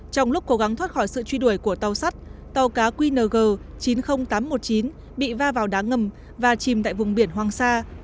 trong lúc cố gắng thoát khỏi sự truy đuổi của tàu sắt tàu cá qng chín mươi nghìn tám trăm một mươi chín bị va vào đá ngầm và chìm tại vùng biển hoàng sa